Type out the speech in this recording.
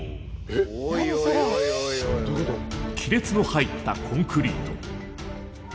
亀裂の入ったコンクリート。